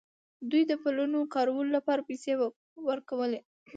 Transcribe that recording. دوی د پلونو کارولو لپاره پیسې ورکولې.